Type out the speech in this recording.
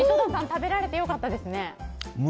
食べられて良かったですね。